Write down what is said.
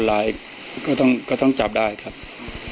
ถ้าใครอยากรู้ว่าลุงพลมีโปรแกรมทำอะไรที่ไหนยังไง